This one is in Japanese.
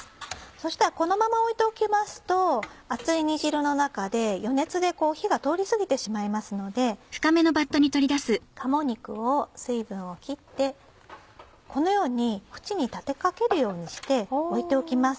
そしたらこのまま置いておきますと熱い煮汁の中で余熱で火が通り過ぎてしまいますので鴨肉を水分を切ってこのように縁に立て掛けるようにして置いておきます。